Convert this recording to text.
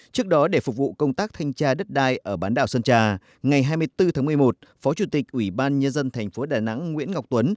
trước đó để phục vụ công tác thanh tra đất đai ở bán đảo sơn trà ngày hai mươi bốn tháng một mươi một phó chủ tịch ủy ban nhân dân thành phố đà nẵng nguyễn ngọc tuấn